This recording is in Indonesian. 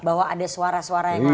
bahwa ada suara suara yang ada